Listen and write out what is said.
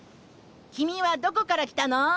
君はどこから来たの？